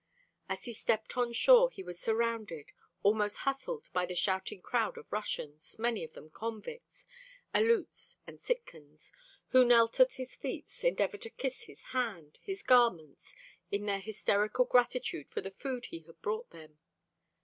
As he stepped on shore he was surrounded, almost hustled by the shouting crowd of Russians, many of them convicts Aleuts and Sitkans, who knelt at his feet, endeavored to kiss his hand, his garments, in their hysterical gratitude for the food he had brought them.